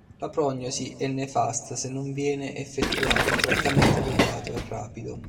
La prognosi è nefasta se non viene effettuato un trattamento adeguato e rapido.